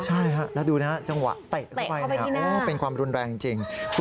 ใช่ฮะแล้วดูนะจังหวะเตะเข้าไปเป็นความรุนแรงจริง